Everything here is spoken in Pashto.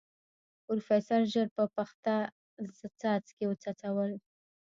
پروفيسر ژر په پخته څاڅکي وڅڅول.